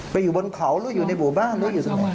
ไปอยู่บนเขาหรืออยู่ในบุบ้านหรืออยู่ที่ไหน